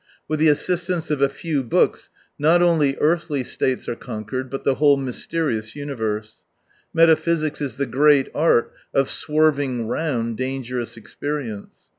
With the assistance of a few books not only earthly states are conquered, but the whole mysterious universe. Metaphysics is the great art of swerving round dangerous experience.